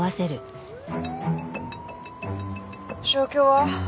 状況は？